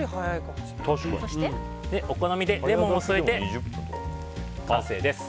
お好みでレモンを添えて完成です。